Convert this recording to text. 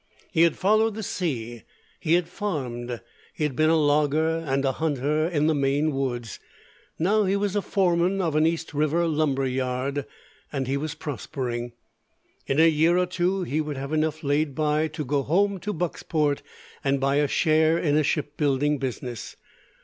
He had followed the sea, he had farmed, he had been a logger and a hunter in the Maine woods. Now he was foreman of an East River lumber yard, and he was prospering. In a year or two he would have enough laid by to go home to Bucksport and buy a share in a ship building business.